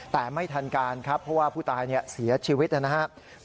แต่ไม่ทันการครับเพราะว่าผู้ตายเสียชีวิตนะครับ